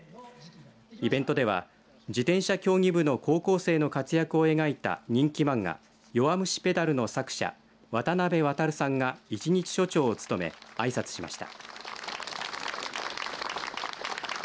イベントでは、自転車競技部の高校生の活躍を描いた人気漫画弱虫ペダルの作者渡辺航さんが一日署長を務めあいさつしました。